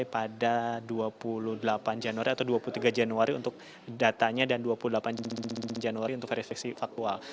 pada dua puluh delapan januari atau dua puluh tiga januari untuk datanya dan dua puluh delapan januari untuk verifikasi faktual